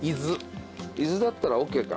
伊豆だったらＯＫか。